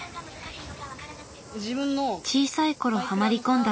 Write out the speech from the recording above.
小さい頃ハマりこんだ